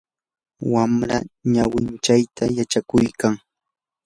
wamra ñawinchayta yachakuykan.